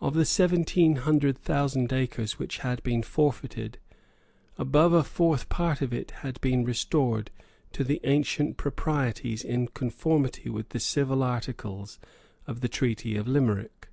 Of the seventeen hundred thousand acres which had been forfeited, above a fourth part had been restored to the ancient proprietors in conformity with the civil articles of the treaty of Limerick.